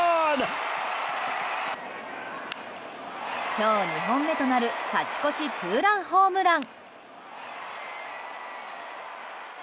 今日２本目となる勝ち越しツーランホームラン。